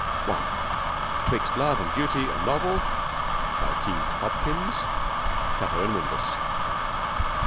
(1) 'Twixt Love and Duty: A Novel. By Tighe Hopkins. (Chatto and Windus.)